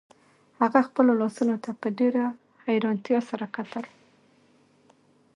هغه خپلو لاسونو ته په ډیره حیرانتیا سره کتل